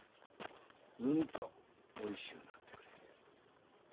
うんとおいしゅうなってくれる。